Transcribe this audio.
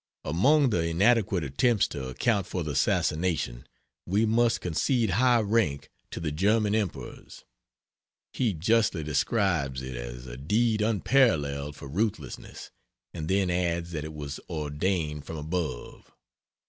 ] Among the inadequate attempts to account for the assassination we must concede high rank to the German Emperor's. He justly describes it as a "deed unparalleled for ruthlessness," and then adds that it was "ordained from above."